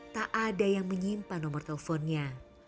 tak ada yang menyimpan nomor teleponnya